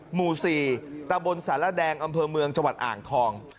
หมู่๔ตะบนสารแดงอำเภอเมืองจังหวัดอ่างทอง